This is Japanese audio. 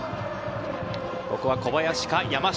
ここは小林か山下。